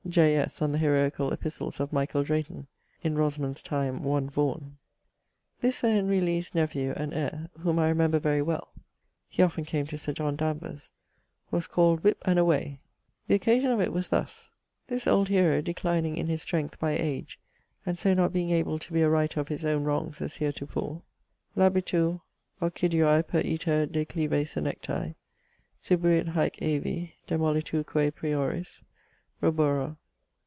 [X.] J. S. on the heroicall epistles of Michael Drayton 'In Rosamund's time, one Vaughan.' This Sir Henry Lee's nephew and heire (whom I remember very well; he often came to Sir John Danvers') was called Whip and away. The occasion of it was thus: this old hero declining in his strength by age and so not being able to be a righter of his owne wronges as heretofore Labitur occiduae per iter declive senectae. Subruit haec aevi demoliturque prioris Robora.